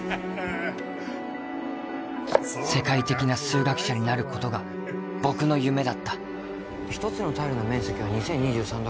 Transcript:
世界的な数学者になることが僕の夢だった１つのタイルの面積は２０２３だから